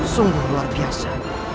sungguh luar biasa